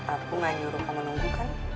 aku gak nyuruh kamu nunggu kan